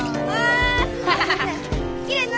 きれいな。